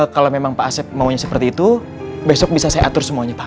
kalau memang pak asep maunya seperti itu besok bisa saya atur semuanya pak